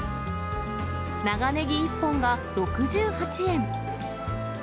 長ねぎ１本が６８円。